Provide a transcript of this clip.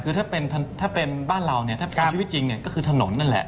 คือถ้าเป็นบ้านเราเนี่ยถ้าเป็นชีวิตจริงก็คือถนนนั่นแหละ